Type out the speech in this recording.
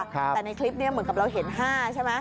แต่ในคลิปนี้เหมือนกับเราเห็น๕ใช่ไหม